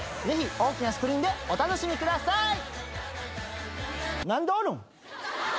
ぜひ大きなスクリーンでお楽しみください。